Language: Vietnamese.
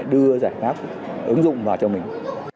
đưa giải pháp ứng dụng vào cho mình